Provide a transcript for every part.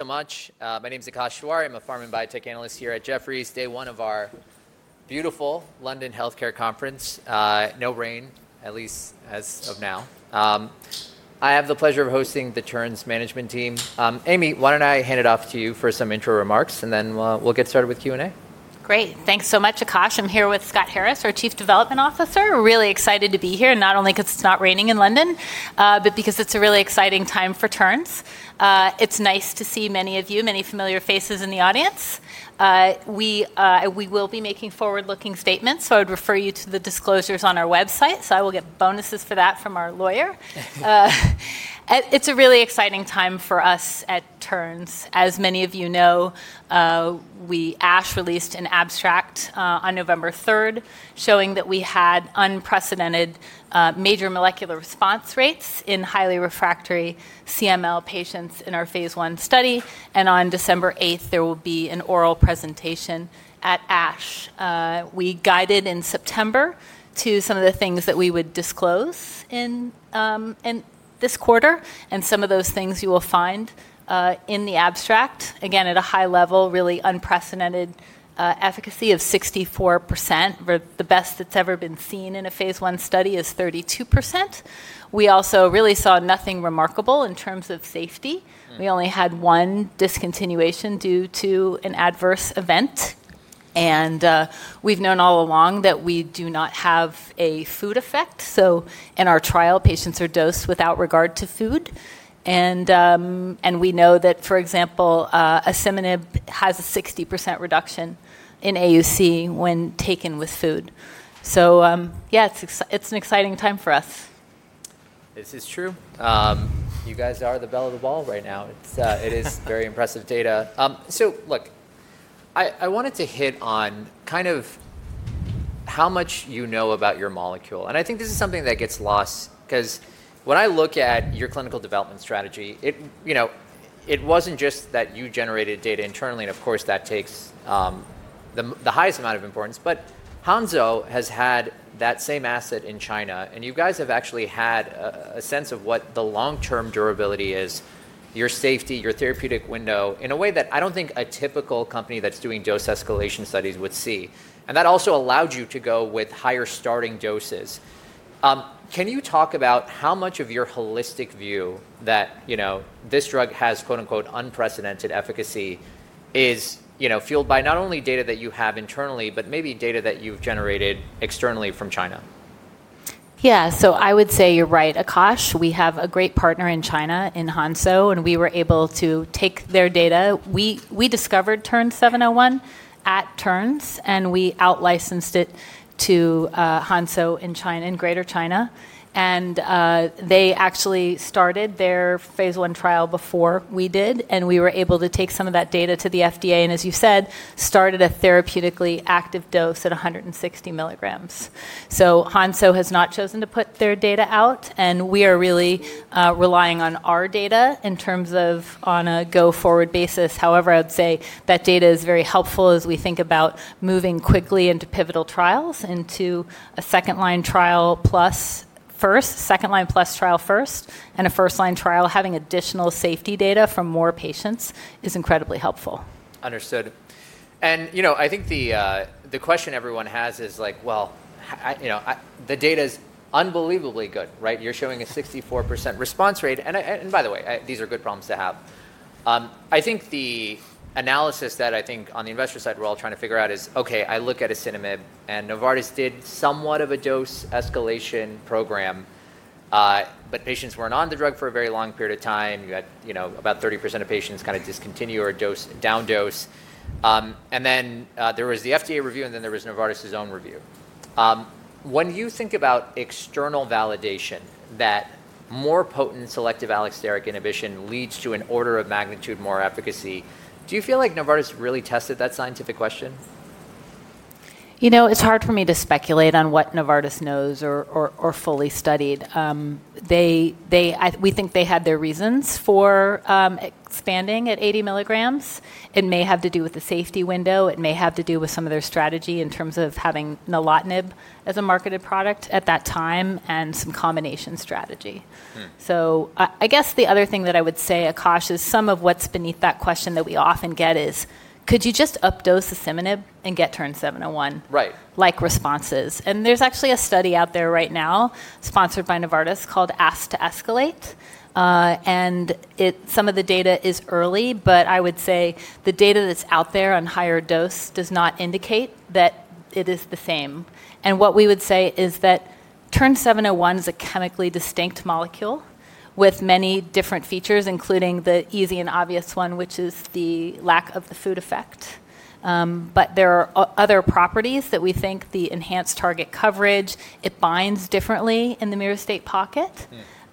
so much. My name is Akash Tewari. I'm a pharma and biotech analyst here at Jefferies, day one of our beautiful London Healthcare Conference. No rain, at least as of now. I have the pleasure of hosting the Terns Management Team. Amy, why don't I hand it off to you for some intro remarks, and then we'll get started with Q&A? Great. Thanks so much, Akash. I'm here with Scott Harris, our Chief Development Officer. Really excited to be here, not only because it's not raining in London, but because it's a really exciting time for Terns. It's nice to see many of you, many familiar faces in the audience. We will be making Forward-Looking Statements, so I would refer you to the disclosures on our website. I will get bonuses for that from our lawyer. It's a really exciting time for us at Terns. As many of you know, we ASH released an abstract on November 3rd showing that we had unprecedented Major Molecular Response Rates in Highly Refractory CML Patients in our phase I study. On December 8th, there will be an Oral Presentation at ASH. We guided in September to some of the things that we would disclose in this quarter. Some of those things you will find in the abstract, again, at a high level, really Unprecedented Efficacy of 64%. The best that's ever been seen in a phase I study is 32%. We also really saw nothing remarkable in terms of safety. We only had one discontinuation due to an adverse event. We have known all along that we do not have a food effect. In our trial, patients are dosed without regard to food. We know that, for example, asciminib has a 60% reduction in AUC when taken with Food. Yeah, it's an exciting time for us. This is true. You guys are the belle of the ball right now. It is very Impressive Data. Look, I wanted to hit on kind of how much you know about your Molecule. I think this is something that gets lost because when I look at your Clinical Development Strategy, it was not just that you generated data internally. Of course, that takes the highest amount of importance. Hansoh has had that same asset in China. You guys have actually had a sense of what the long-term durability is, your Safety, your Therapeutic Window in a way that I do not think a typical company that is doing Dose Escalation Studies would see. That also allowed you to go with higher starting doses. Can you talk about how much of your holistic view that this drug has "Unprecedented Efficacy" is fueled by not only data that you have internally, but maybe data that you have generated externally from China? Yeah. I would say you're right, Akash. We have a great partner in China in Hansoh, and we were able to take their data. We discovered TERN-701 at Terns, and we out-licensed it to Hansoh in Greater China. They actually started their phase I trial before we did. We were able to take some of that data to the FDA and, as you said, started a therapeutically active dose at 160 mg. Hansoh has not chosen to put their data out. We are really relying on our data in terms of on a go-forward basis. However, I would say that data is very helpful as we think about moving quickly into pivotal trials into a second-line trial first, second-line plus trial first, and a first-line trial. Having additional safety data from more patients is incredibly helpful. Understood. I think the question everyone has is like, the data is unbelievably good, right? You're showing a 64% response rate. By the way, these are good problems to have. I think the analysis that I think on the investor side we're all trying to figure out is, OK, I look at asciminib, and Novartis did somewhat of a Dose Escalation Program, but patients were not on the drug for a very long period of time. You had about 30% of patients kind of discontinue or down-dose. There was the FDA review, and then there was Novartis' own review. When you think about external validation that more potent selective allosteric inhibition leads to an order of magnitude more efficacy, do you feel like Novartis really tested that scientific question? You know, it's hard for me to speculate on what Novartis knows or fully studied. We think they had their reasons for expanding at 80 milligrams. It may have to do with the safety window. It may have to do with some of their strategy in terms of having nilotinib as a marketed product at that time and some combination strategy. I guess the other thing that I would say, Akash, is some of what's beneath that question that we often get is, could you just up-dose the asciminib and get TERN-701-like responses? There's actually a study out there right now sponsored by Novartis called ASC2ESCALATE. Some of the data is early, but I would say the data that's out there on higher dose does not indicate that it is the same. What we would say is that TERN-701 is a Chemically Distinct Molecule with many different features, including the easy and obvious one, which is the lack of the Food Effect. There are other properties that we think, the enhanced target coverage, it binds differently in the Myristoyl Pocket.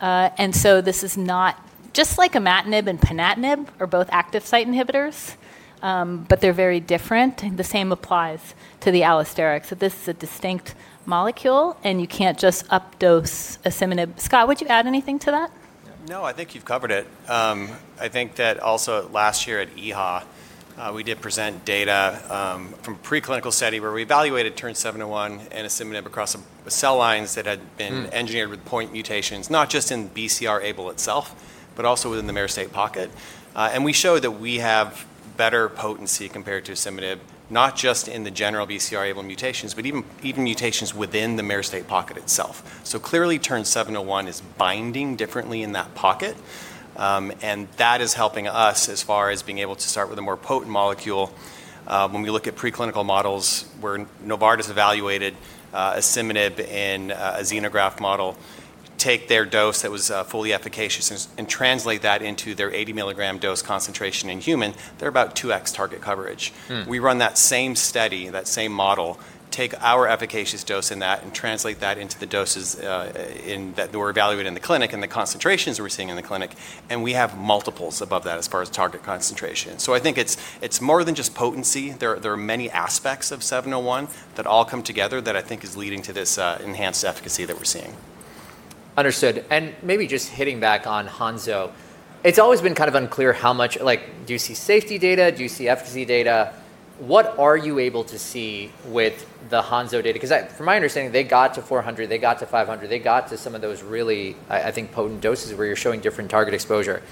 This is not just like imatinib and ponatinib are both active site inhibitors, but they are very different. The same applies to the allosteric. This is a distinct molecule, and you cannot just up-dose asciminib. Scott, would you add anything to that? No, I think you've covered it. I think that also last year at EHA, we did present data from a preclinical study where we evaluated TERN-701 and asciminib across cell lines that had been engineered with point mutations, not just in BCR-ABL itself, but also within the Myristoyl Pocket. We show that we have better potency compared to asciminib, not just in the general BCR-ABL mutations, but even mutations within the Myristoyl Pocket itself. Clearly, TERN-701 is binding differently in that Pocket. That is helping us as far as being able to start with a more potent molecule. When we look at Preclinical Models where Novartis evaluated asciminib in a Xenograft Model take their dose that was fully efficacious and translate that into their 80 mg dose concentration in human, they're about 2x target coverage. We run that same study, that same model, take our Efficacious Dose in that and translate that into the doses that were evaluated in the clinic and the concentrations we're seeing in the clinic. We have multiples above that as far as target concentration. I think it's more than just potency. There are many aspects of 701 that all come together that I think is leading to this enhanced efficacy that we're seeing. Understood. Maybe just hitting back on Hansoh, it's always been kind of unclear how much do you see safety data? Do you see efficacy data? What are you able to see with the Hansoh Data? Because from my understanding, they got to 400, they got to 500, they got to some of those really, I think, potent doses where you're showing different Target Exposure.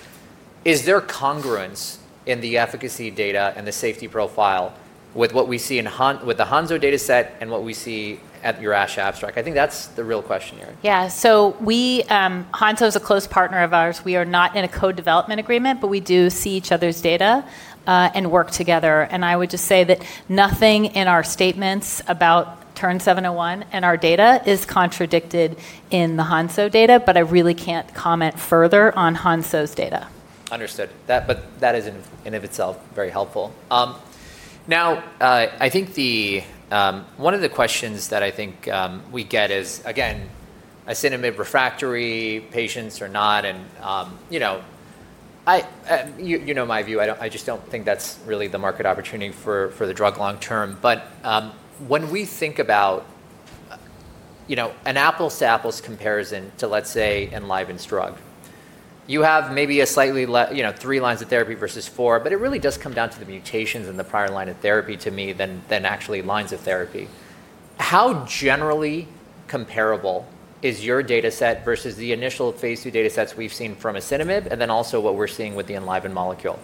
Is there congruence in the efficacy data and the safety profile with what we see with the Hansoh data set and what we see at your ASH Abstract? I think that's the real question here. Yeah. Hansoh is a close partner of ours. We are not in a Co-development Agreement, but we do see each other's data and work together. I would just say that nothing in our statements about TERN-701 and our data is contradicted in the Hansoh Data, but I really can't comment further on Hansoh's Data. Understood. That is in and of itself very helpful. Now, I think one of the questions that I think we get is, again, asciminib refractory, patients or not. You know my view. I just do not think that is really the Market Opportunity for the Drug Long Term. When we think about an apples-to-apples comparison to, let's say, Enliven's drug, you have maybe three lines of therapy versus four, but it really does come down to the mutations and the prior line of therapy to me than actually lines of therapy. How generally comparable is your data set versus the initial phase II data sets we have seen from asciminib and then also what we are seeing with the Enliven Molecule?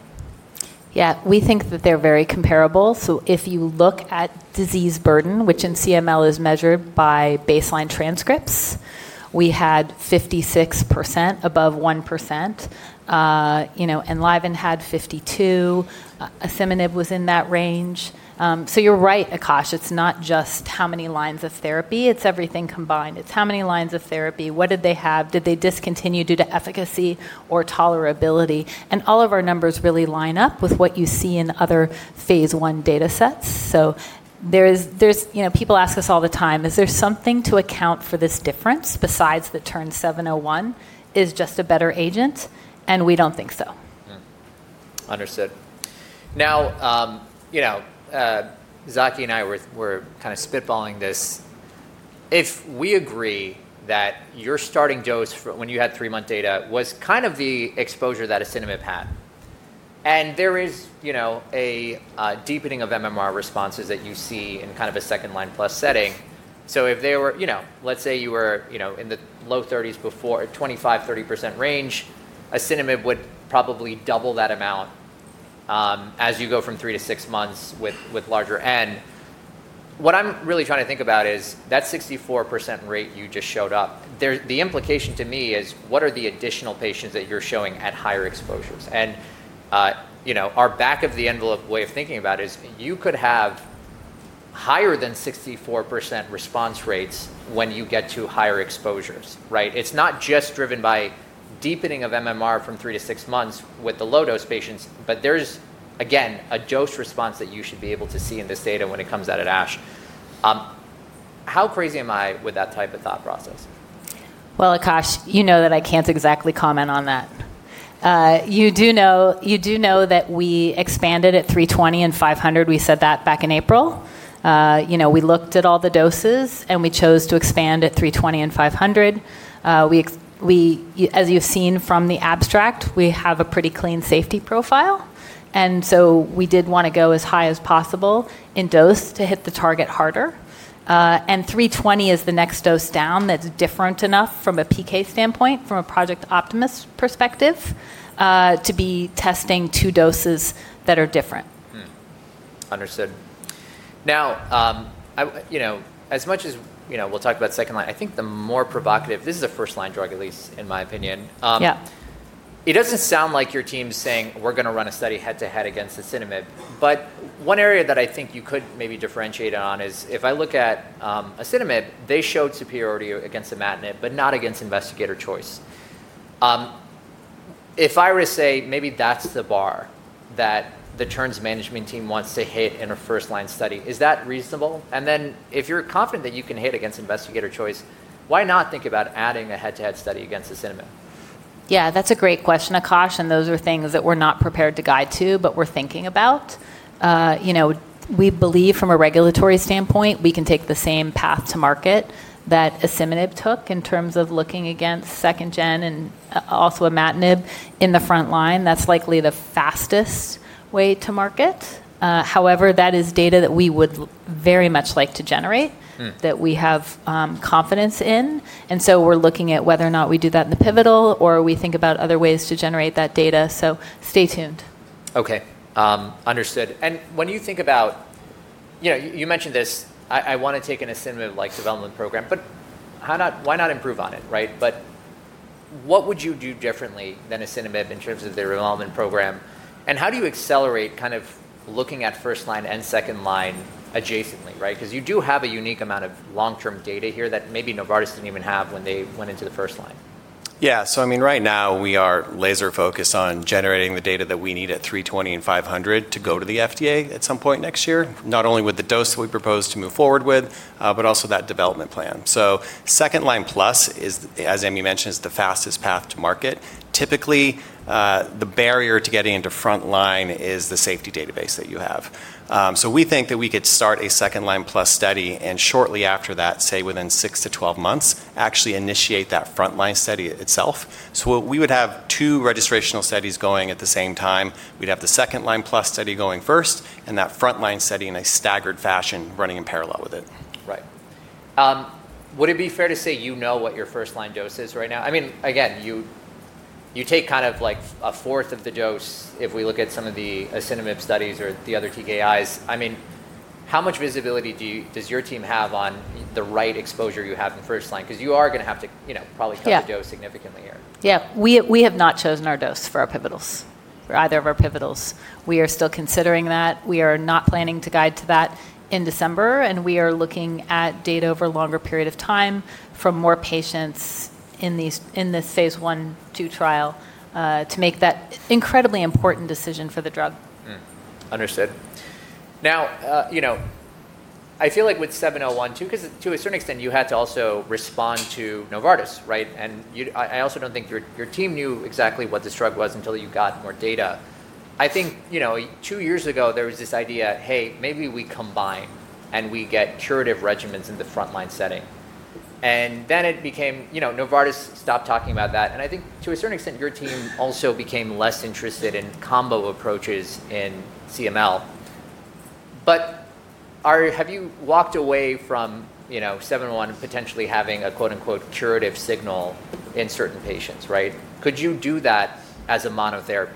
Yeah. We think that they're very comparable. If you look at Disease Burden, which in CML is measured by baseline transcripts, we had 56% above 1%. Enliven had 52%. Asciminib was in that range. You're right, Akash. It's not just how many lines of therapy. It's everything combined. It's how many lines of therapy. What did they have? Did they discontinue due to Efficacy or Tolerability? All of our numbers really line up with what you see in other phase I data sets. People ask us all the time, is there something to account for this difference besides that TERN-701 is just a better agent? We don't think so. Understood. Now, Zaki and I were kind of spitballing this. If we agree that your starting dose when you had three-month data was kind of the exposure that asciminib had, and there is a deepening of MMR Responses that you see in kind of a second-line plus setting. If they were, let's say you were in the low 30s before, 25%-30% range, asciminib would probably double that amount as you go from three to six months with Larger N. What I'm really trying to think about is that 64% rate you just showed up. The implication to me is, what are the additional patients that you're showing at higher exposures? Our back-of-the-envelope way of thinking about it is you could have higher than 64% response rates when you get to higher exposures, right? It's not just driven by deepening of MMR from three to six months with the low-dose patients, but there's, again, a dose response that you should be able to see in this data when it comes out at ASH. How crazy am I with that type of thought process? Akash, you know that I can't exactly comment on that. You do know that we expanded at 320 and 500. We said that back in April. We looked at all the doses, and we chose to expand at 320 and 500. As you've seen from the abstract, we have a pretty clean safety profile. We did want to go as high as possible in dose to hit the target harder. 320 is the next dose down that's different enough from a PK Standpoint, from a Project Optimist Perspective, to be testing two doses that are different. Understood. Now, as much as we'll talk about second line, I think the more provocative this is a first-line drug, at least in my opinion. It doesn't sound like your team's saying, we're going to run a study head-to-head against asciminib. One area that I think you could maybe differentiate it on is if I look at asciminib, they showed superiority against imatinib, but not against Investigator Choice. If I were to say maybe that's the bar that the Terns Management Team wants to hit in a first-line study, is that reasonable? If you're confident that you can hit against Investigator Choice, why not think about adding a head-to-head study against asciminib? Yeah, that's a great question, Akash. Those are things that we're not prepared to guide to, but we're thinking about. We believe from a regulatory standpoint, we can take the same path to market that asciminib took in terms of looking against second gen and also imatinib in the front line. That's likely the fastest way to market. However, that is data that we would very much like to generate that we have confidence in. We're looking at whether or not we do that in the pivotal or we think about other ways to generate that data. Stay tuned. OK, understood. When you think about, you mentioned this, I want to take in a asciminib-like development program, but why not improve on it, right? What would you do differently than a asciminib in terms of their development program? How do you accelerate kind of looking at first line and second line adjacently, right? You do have a unique amount of long-term data here that maybe Novartis did not even have when they went into the first line. Yeah. So I mean, right now, we are laser-focused on generating the data that we need at 320 and 500 to go to the FDA at some point next year, not only with the dose that we propose to move forward with, but also that development plan. Second line plus, as Amy mentioned, is the fastest path to market. Typically, the barrier to getting into front line is the safety database that you have. We think that we could start a second line plus study and shortly after that, say within 6-12 months, actually initiate that front line study itself. We would have two registrational studies going at the same time. We would have the second line plus study going first and that front line study in a staggered fashion running in parallel with it. Right. Would it be fair to say you know what your first line dose is right now? I mean, again, you take kind of like a fourth of the dose if we look at some of the asciminib studies or the other TKIs. I mean, how much visibility does your team have on the right exposure you have in first line? Because you are going to have to probably cut the dose significantly here. Yeah. We have not chosen our dose for our pivotals, for either of our pivotals. We are still considering that. We are not planning to guide to that in December. We are looking at data over a longer period of time from more patients in this phase I to trial to make that incredibly important decision for the drug. Understood. Now, I feel like with 701, too, because to a certain extent, you had to also respond to Novartis, right? I also do not think your team knew exactly what this drug was until you got more data. I think two years ago, there was this idea, hey, maybe we combine and we get Curative Regimens in the front line setting. It became Novartis stopped talking about that. I think to a certain extent, your team also became less interested in combo approaches in CML. Have you walked away from 701 and potentially having a quote unquote curative signal in certain patients, right? Could you do that as a Monotherapy?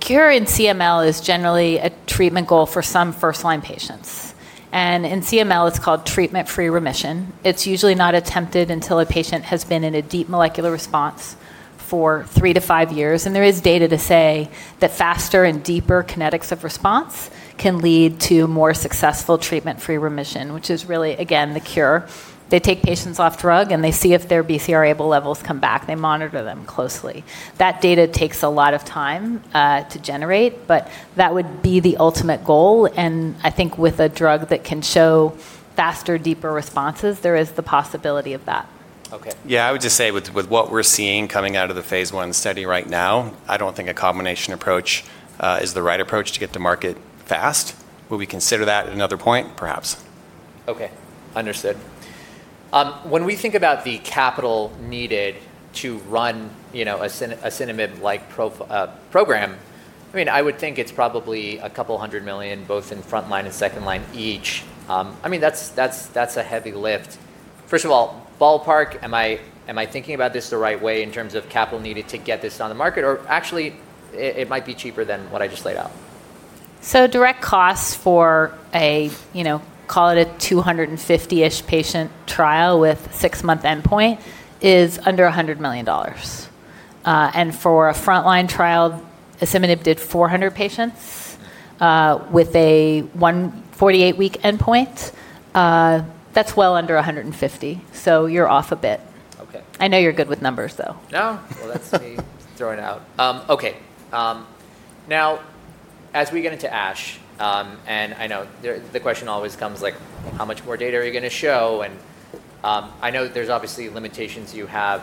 Cure in CML is generally a Treatment Goal for some first line patients. In CML, it's called Treatment-free Remission. It's usually not attempted until a patient has been in a Deep Molecular Response for three to five years. There is data to say that faster and deeper Kinetics of Response can lead to more successful Treatment-free Remission, which is really, again, the cure. They take patients off drug, and they see if their BCR-ABL levels come back. They monitor them closely. That data takes a lot of time to generate, but that would be the ultimate goal. I think with a drug that can show faster, deeper responses, there is the possibility of that. OK. Yeah, I would just say with what we're seeing coming out of the phase I study right now, I don't think a combination approach is the right approach to get to market fast. Would we consider that at another point? Perhaps. OK, understood. When we think about the capital needed to run a asciminib-like program, I mean, I would think it's probably a couple hundred million, both in front line and second line each. I mean, that's a heavy lift. First of all, ballpark, am I thinking about this the right way in terms of capital needed to get this on the market? Or actually, it might be cheaper than what I just laid out. Direct costs for a, call it a 250-ish patient trial with six-month endpoint is under $100 million. For a front line trial, asciminib did 400 patients with a 48-week endpoint. That is well under $150 million. You are off a bit. I know you are good with numbers, though. No. That is me throwing out. OK. Now, as we get into ASH, and I know the question always comes, like, how much more data are you going to show? I know there are obviously limitations you have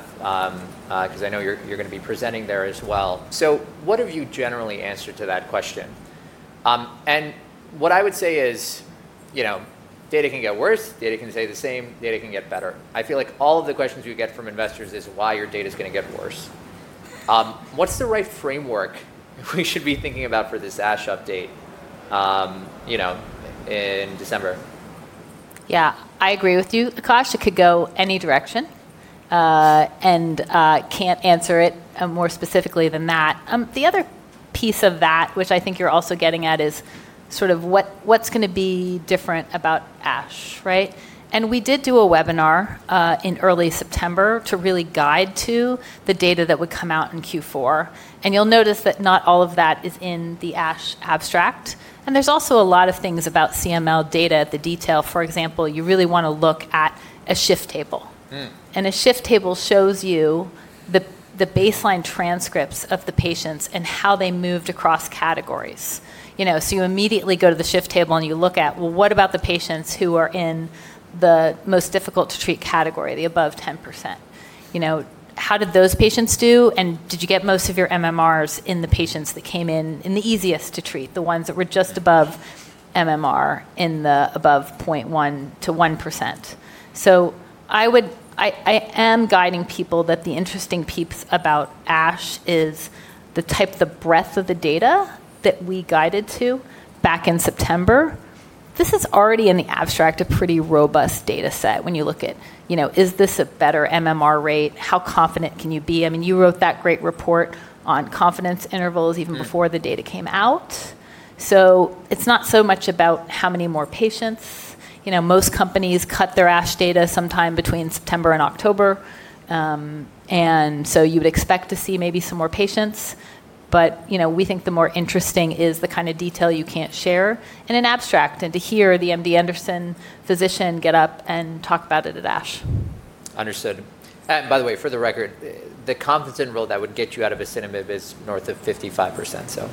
because I know you are going to be presenting there as well. What have you generally answered to that question? What I would say is data can get worse. Data can stay the same. Data can get better. I feel like all of the questions we get from investors is why your data is going to get worse. What is the right framework we should be thinking about for this ASH update in December? Yeah, I agree with you, Akash. It could go any direction. I can't answer it more specifically than that. The other piece of that, which I think you're also getting at, is sort of what's going to be different about ASH, right? We did do a webinar in early September to really guide to the data that would come out in Q4. You'll notice that not all of that is in the ASH Abstract. There's also a lot of things about CML data at the detail. For example, you really want to look at a Shift Table. A Shift Table shows you the baseline transcripts of the patients and how they moved across categories. You immediately go to the shift table and you look at, well, what about the patients who are in the most difficult to treat category, the above 10%? How did those patients do? Did you get most of your MMRs in the patients that came in, in the easiest to treat, the ones that were just above MMR in the above 0.1%-1%? I am guiding people that the interesting piece about ASH is the type of breadth of the data that we guided to back in September. This is already in the abstract, a pretty robust data set when you look at, is this a better MMR Rate? How confident can you be? I mean, you wrote that great report on confidence intervals even before the data came out. It's not so much about how many more patients. Most companies cut their ASH data sometime between September and October. You would expect to see maybe some more patients. We think the more interesting is the kind of detail you can't share in an abstract. To hear the MD Anderson Physician get up and talk about it at ASH. Understood. By the way, for the record, the confidence interval that would get you out of asciminib is north of 55%.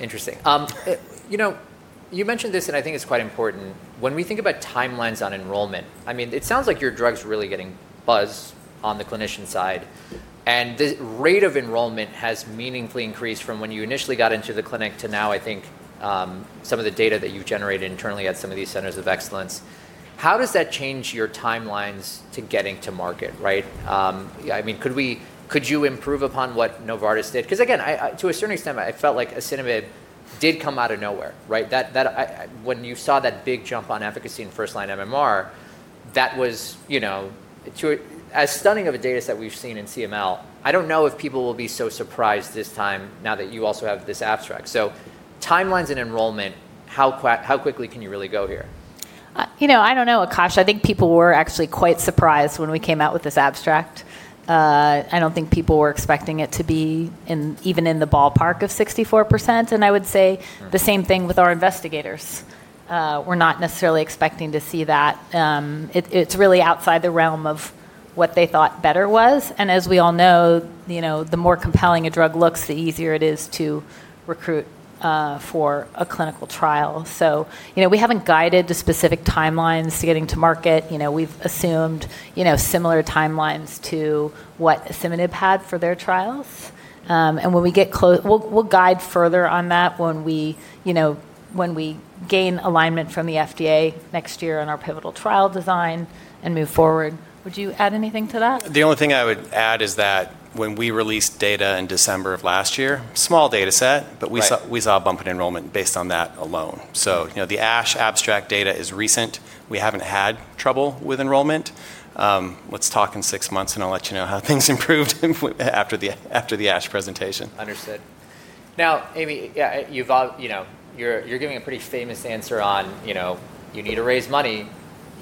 Interesting. You mentioned this, and I think it's quite important. When we think about timelines on enrollment, I mean, it sounds like your drug's really getting buzz on the Clinician Side. The rate of enrollment has meaningfully increased from when you initially got into the clinic to now, I think, some of the data that you've generated internally at some of these centers of excellence. How does that change your timelines to getting to market, right? I mean, could you improve upon what Novartis did? Because again, to a certain extent, I felt like asciminib did come out of nowhere, right? When you saw that big jump on efficacy in first line MMR, that was as stunning of a data set we've seen in CML. I don't know if people will be so surprised this time now that you also have this abstract. Timelines and enrollment, how quickly can you really go here? You know, I don't know, Akash. I think people were actually quite surprised when we came out with this abstract. I don't think people were expecting it to be even in the ballpark of 64%. I would say the same thing with our investigators. We're not necessarily expecting to see that. It's really outside the realm of what they thought better was. As we all know, the more compelling a drug looks, the easier it is to recruit for a clinical trial. We haven't guided to specific timelines to getting to market. We've assumed similar timelines to what asciminib had for their trials. When we get close, we'll guide further on that when we gain alignment from the FDA next year on our pivotal trial design and move forward. Would you add anything to that? The only thing I would add is that when we released data in December of last year, small data set, but we saw a bump in enrollment based on that alone. The ASH abstract data is recent. We have not had trouble with enrollment. Let's talk in six months, and I'll let you know how things improved after the ASH presentation. Understood. Now, Amy, you're giving a pretty famous answer on you need to raise money.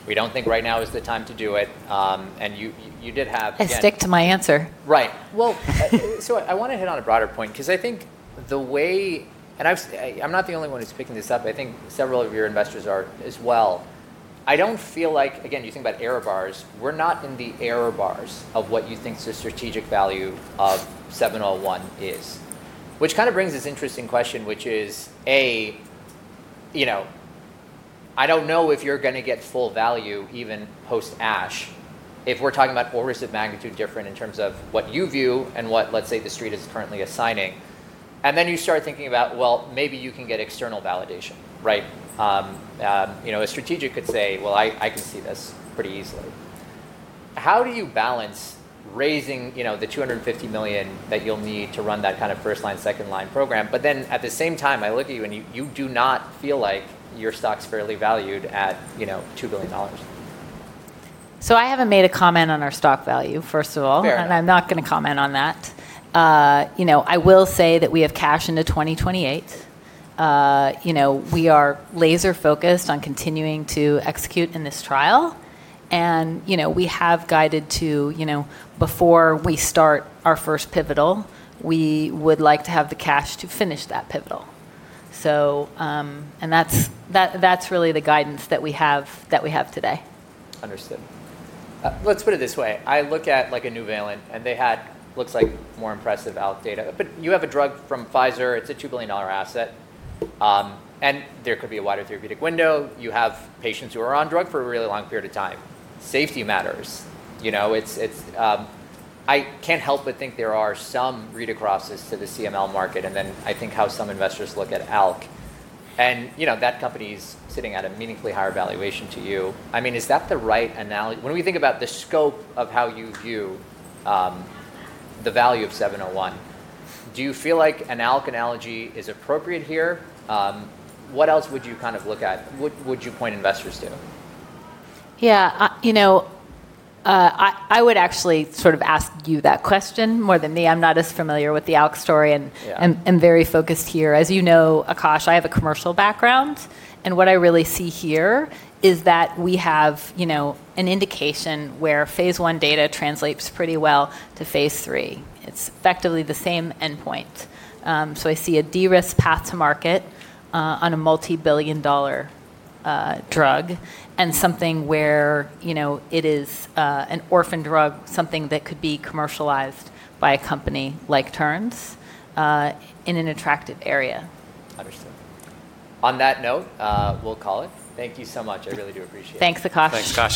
We don't think right now is the time to do it. And you did have. I stick to my answer. Right. I want to hit on a broader point because I think the way—and I'm not the only one who's picking this up. I think several of your investors are as well. I don't feel like, again, you think about error bars. We're not in the error bars of what you think the strategic value of 701 is, which kind of brings this interesting question, which is, A, I don't know if you're going to get full value even post ASH if we're talking about orders of magnitude different in terms of what you view and what, let's say, the street is currently assigning. You start thinking about, well, maybe you can get External Validation, right? A strategic could say, well, I can see this pretty easily. How do you balance raising the $250 million that you'll need to run that kind of first line, second line program? At the same time, I look at you, and you do not feel like your stock's fairly valued at $2 billion. I have not made a comment on our stock value, first of all. I am not going to comment on that. I will say that we have cash into 2028. We are laser-focused on continuing to execute in this trial. We have guided to, before we start our first pivotal, we would like to have the cash to finish that pivotal. That is really the guidance that we have today. Understood. Let's put it this way. I look at like a Nuvalent, and they had, looks like, more impressive out data. But you have a drug from Pfizer. It's a $2 billion asset. And there could be a wider therapeutic window. You have patients who are on drug for a really long period of time. Safety matters. I can't help but think there are some read acrosses to the CML Market. And then I think how some investors look at ALK. And that company is sitting at a meaningfully higher valuation to you. I mean, is that the right analogy? When we think about the scope of how you view the value of 701, do you feel like an ALK Analogy is appropriate here? What else would you kind of look at? What would you point investors to? Yeah. I would actually sort of ask you that question more than me. I'm not as familiar with the ALK story and very focused here. As you know, Akash, I have a commercial background. And what I really see here is that we have an indication where phase I data translates pretty well to phase III. It's effectively the same endpoint. So I see a de-risk path to market on a multi-billion dollar drug and something where it is an orphan drug, something that could be commercialized by a company like Terns in an attractive area. Understood. On that note, we'll call it. Thank you so much. I really do appreciate it. Thanks, Akash. Thanks, Akash.